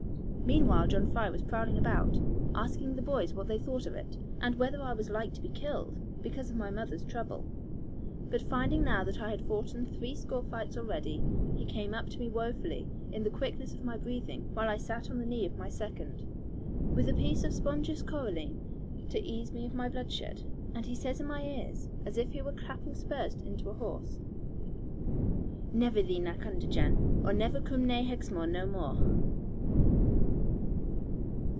Meanwhile John Fry was prowling about, asking the boys what they thought of it, and whether I was like to be killed, because of my mother's trouble. But finding now that I had foughten three score fights already, he came up to me woefully, in the quickness of my breathing, while I sat on the knee of my second, with a piece of spongious coralline to ease me of my bloodshed, and he says in my ears, as if he was clapping spurs into a horse, 'Never thee knack under, Jan, or never coom naigh Hexmoor no more.'